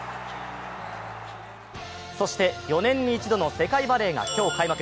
そして４年に１度の世界バレーが今日開幕。